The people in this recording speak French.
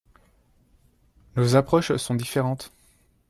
Nos approches sont différentes.